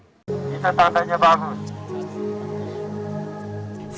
ini tantanya bagus